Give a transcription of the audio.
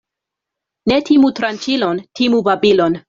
Ne timu tranĉilon, timu babilon.